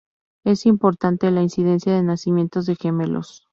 Es importante la incidencia de nacimientos de gemelos.